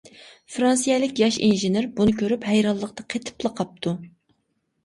فىرانسىيەلىك ياش ئىنژېنېر بۇنى كۆرۈپ ھەيرانلىقتا قېتىپلا قاپتۇ.